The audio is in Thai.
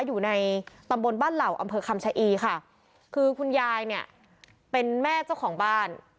อยู่ในตำบลบ้านเหล่าอำเภอคำชะอีค่ะคือคุณยายเนี่ยเป็นแม่เจ้าของบ้าน